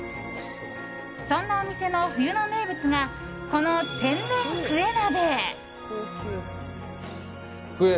そんなお店の冬の名物がこの天然クエ鍋。